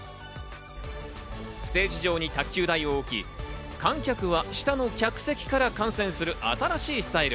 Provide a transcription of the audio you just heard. ステージ上に卓球台を置き、観客は下の客席から観戦する新しいスタイル。